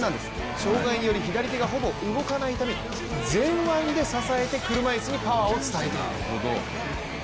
障がいにより、左手がほぼ動かないため、前腕で支えて車いすにパワーを伝えている。